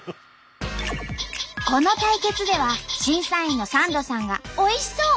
この対決では審査員のサンドさんがおいしそう！